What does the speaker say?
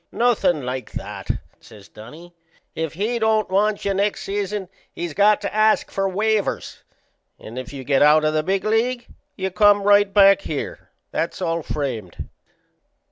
"Nothin' like that," says Dunnie. "If he don't want you next season he's got to ask for waivers; and if you get out o' the big league you come right back here. That's all framed."